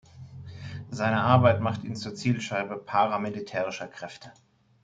Seine Arbeit machte ihn zur Zielscheibe paramilitärischer Kräfte.